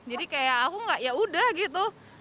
jadi kayak aku nggak yaudah gitu